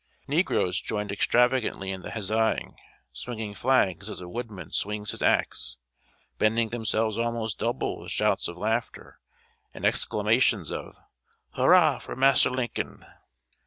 Negroes joined extravagantly in the huzzaing, swinging flags as a woodman swings his ax, bending themselves almost double with shouts of laughter, and exclamations of "Hurrah for Mass'r Lincoln!"